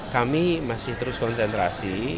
kami masih terus konsentrasi